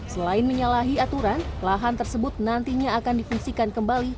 jika kita melalui aturan lahan tersebut nantinya akan difungsikan kembali